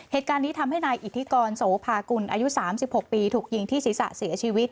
เหตุการณ์นี้ทำให้นายอิทธิกรโสภากุลอายุ๓๖ปีถูกยิงที่ศีรษะเสียชีวิต